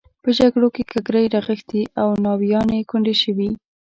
په جګړو کې ککرۍ رغښتې او ناویانې کونډې شوې.